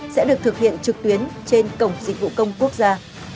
sẽ được thực hiện trực tuyến trên cổng dịch vụ công quốc gia